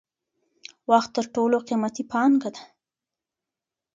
وخت تر ټولو قیمتی پانګه ده.